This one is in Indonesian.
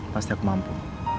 pasti aku mampu